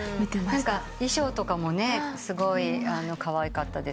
衣装とかもすごいかわいかった。